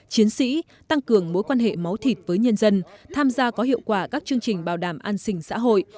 chiến sĩ tăng cường mối quan hệ máu thịt với nhân dân tham gia có hiệu quả các chương trình bảo đảm an sinh xã hội